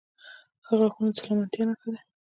• ښه غاښونه د سلامتیا نښه ده.